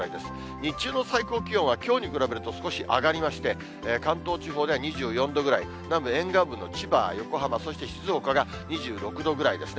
日中の最高気温は、きょうに比べると少し上がりまして、関東地方では２４度くらい、南部沿岸部の千葉、横浜は、そして静岡が２６度ぐらいですね。